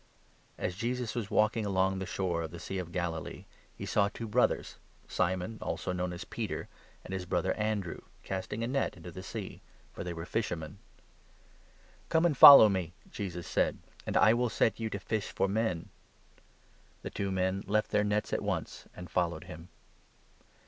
The first As Jesus was walking along the shore of the Disoipies. Sea of Galilee, he saw two brothers — Simon, also known as Peter, and his brother Andrew — casting a net into the Sea ; for they were fishermen. "Come and follow me," Jesus said, "and I will set you to fish for men." The two men left their nets at once and followed him.